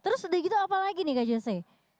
terus udah gitu apa lagi nih kak jose